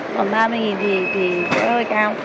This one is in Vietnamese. còn ba mươi thì sẽ hơi cao